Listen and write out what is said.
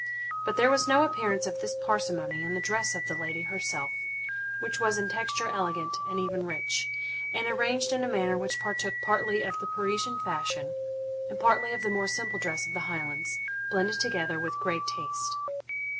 But there was no appearance of this parsimony in the dress of the lady herself, which was in texture elegant, and even rich, and arranged in a manner which partook partly of the Parisian fashion and partly of the more simple dress of the Highlands, blended together with great taste.